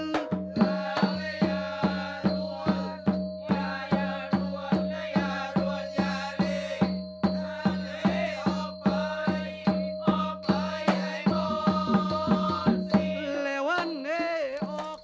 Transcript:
แล้วอย่าร่วนอย่าอย่าร่วนอย่าร่วนอย่าเล่ท่านเองออกไปออกไปให้หมดสิ้น